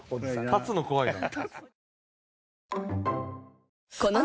立つの怖いな。